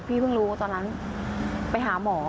เพิ่งรู้ตอนนั้นไปหาหมอ